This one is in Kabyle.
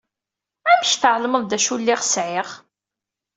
Amek tɛelmeḍ d acu lliɣ sɛiɣ?